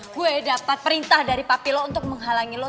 gue dapat perintah dari papi lo untuk menghalangi lo